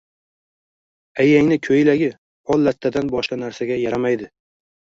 Ayangni koʻylagi pollattadan boshqa narsaga yaramaydi.